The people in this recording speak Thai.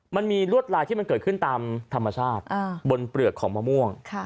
มันมีลวดลายที่มันเกิดขึ้นตามธรรมชาติบนเปลือกของมะม่วง